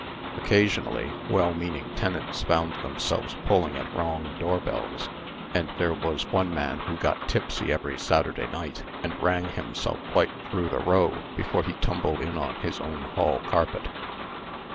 Occasionally, well meaning tenants found themselves pulling at wrong doorbells; and there was one man who got tipsy every Saturday night, and rang himself quite through the row before he tumbled in on his own hall carpet.